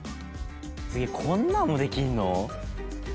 こんなんもできんの？